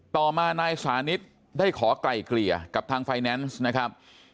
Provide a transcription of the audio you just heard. ต่อมานายสานิทได้ขอไกล่เกลี่ยกับทางไฟแนนซ์นะครับ